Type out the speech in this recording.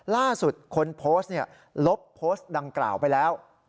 ล่าสุดคนโพสต์ลบโพสต์ดังกล่าวไปแล้ว